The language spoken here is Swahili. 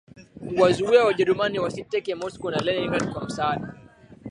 kuwazuia Wajerumani wasiteke Moscow na Leningrad Kwa msaada